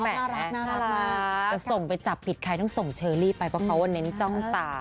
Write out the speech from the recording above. ถ้าส่งไปจับผิดใครต้องส่งเชอรี่ไปเพราะเขาว่าเน้นจ้องตา